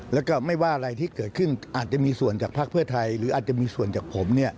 แล้วก็ไม่ว่าอะไรที่เกิดขึ้นอาจจะมีส่วนจากภาคเพื่อไทยหรืออาจจะมีส่วนจากผม